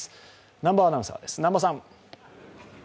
南波アナウンサーです。